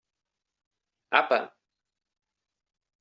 Apa!